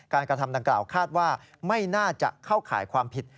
กระทำดังกล่าวคาดว่าไม่น่าจะเข้าข่ายความผิด